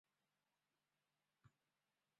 杂斑扁尾鲀为鲀科扁尾鲀属的鱼类。